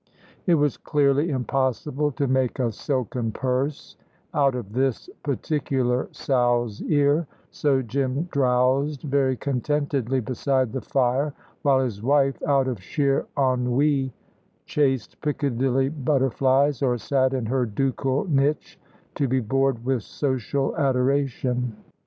It was clearly impossible to make a silken purse out of this particular sow's ear, so Jim drowsed very contentedly beside the fire, while his wife, out of sheer ennui, chased Piccadilly butterflies, or sat in her ducal niche to be bored with social adoration.